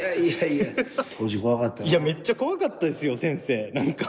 いやめっちゃ怖かったですよ先生なんか。